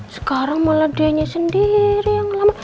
sekarang malah dianya sendiri yang lama